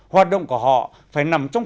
hoạt động của họ phải nằm trong